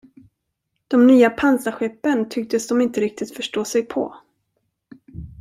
De nya pansarskeppen tycktes de inte riktigt förstå sig på.